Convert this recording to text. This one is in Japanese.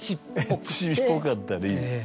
エッチっぽかったり。